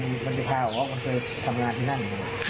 มันอุดมันจะพาหัวว่าเคยทำงานที่นั่น